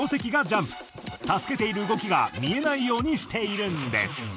助けている動きが見えないようにしているんです。